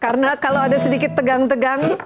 karena kalau ada sedikit tegang tegang